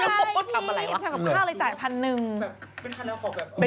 ข้าวทำกับข้าวเลยเสร็จใครเนี่ย